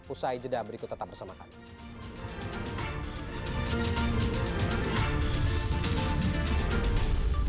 usai jeda berikut tetap bersama kami